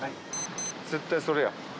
絶対それや。